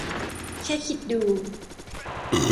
แค่คิดดู !